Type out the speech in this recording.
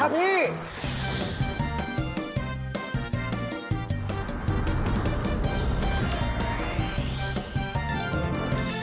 มึงเพื่ออะไร